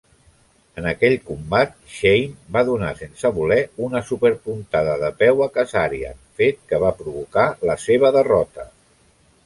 En aquell combat, Shane va donar sense voler una superpuntada de peu a Kazarian, fet que va provocar la seva derrota.